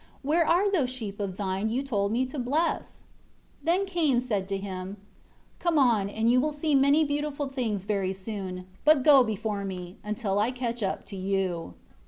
Where are those sheep of thine you told me to bless?" 2 Then Cain said to him, "Come on, and you shall see many beautiful things very soon, but go before me, until I catch up to you."